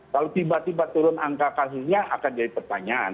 kalau tiba tiba turun angka kasusnya akan jadi pertanyaan